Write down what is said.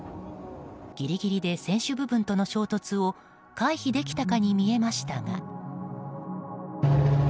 ギリギリで船首部分との衝突を回避できたかに見えましたが。